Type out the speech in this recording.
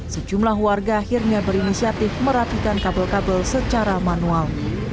sejumlah warga akhirnya berinisiatif merapikan kabel kabel secara manual